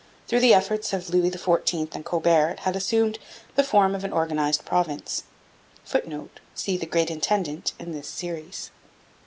Through the efforts of Louis XIV and Colbert it had assumed the form of an organized province. [Footnote: See The Great Intendant in this Series.